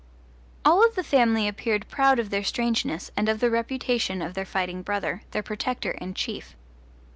All of the family appeared proud of their strangeness and of the reputation of their fighting brother, their protector and chief.